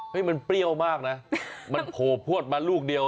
ให้มันเปรี้ยวมากนะมันโผล่พวดมาลูกเดียว